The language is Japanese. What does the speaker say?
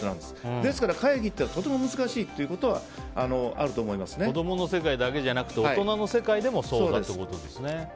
ですから会議ってとても難しいってことは子供の世界だけじゃなくて大人の世界でもそうだということですね。